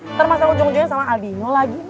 ntar masalah ujung ujungnya sama aldino lagi